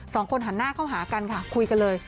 สองคนหันหน้าเข้าหากันค่ะคุยกันเลย